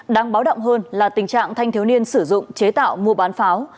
đáng báo động hơn là tình trạng thanh thiếu niên sử dụng chế tạo mua bán pháo